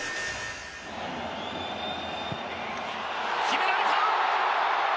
決められた！